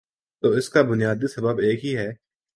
تو اس کا بنیادی سبب ایک ہی ہے۔